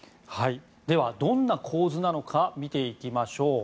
ではどんな構図なのか見ていきましょう。